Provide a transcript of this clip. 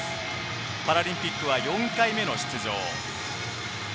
パラリンピックは４回目の出場。